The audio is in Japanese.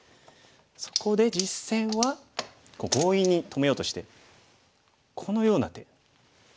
そこで実戦は強引に止めようとしてこのような手。